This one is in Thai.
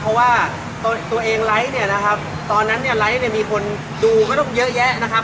เพราะว่าตัวเองไลค์เนี่ยนะครับตอนนั้นเนี่ยไลค์เนี่ยมีคนดูไม่ต้องเยอะแยะนะครับ